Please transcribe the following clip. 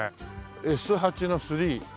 「Ｓ８」の「３」。